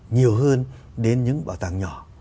nhiều hơn đến những bảo tàng nhỏ